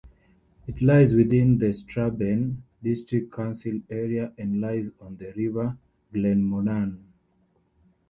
It lies within the Strabane District Council area and lies on the River Glenmornan.